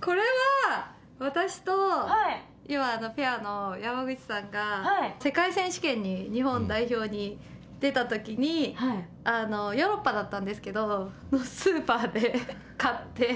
これは私とペアの山口さんが世界選手権に日本代表で出た時にヨーロッパだったんですけどスーパーで買って。